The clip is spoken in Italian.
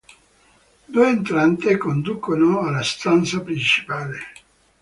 Due entrate conducono alla stanza principale.